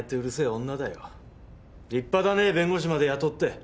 立派だね弁護士まで雇って。